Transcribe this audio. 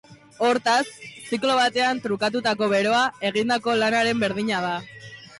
Hortaz, ziklo batean trukatutako beroa, egindako lanaren berdina da.